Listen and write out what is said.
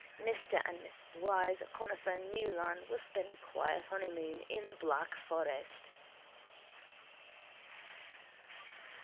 Mr and Mrs Wyse Conifer Neaulan will spend a quiet honeymoon in the Black Forest.